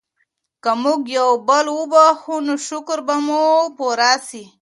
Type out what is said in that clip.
که موږ یو بل وبښو نو شکر به مو پوره سي.